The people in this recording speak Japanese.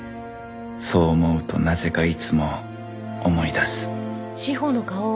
そう思うとなぜかいつも思い出す